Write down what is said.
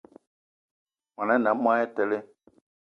Món ané a monatele